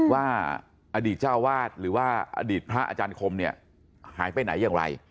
ว่าอดีตเจ้าวาดหรือว่าอดีตพระอาจารย์คมเนี่ยหายไปไหนอย่างไร